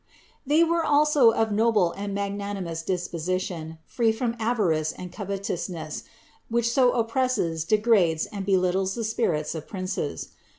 They were also of noble and magnanimous disposition, free from avarice and covetousness, which so oppresses, degrades and be littles the spirits of princes.